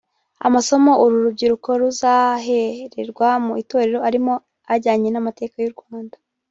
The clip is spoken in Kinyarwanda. Amasomo uru rubyiruko ruzahererwa mu Itorero arimo ajyanye n’amateka y’u Rwanda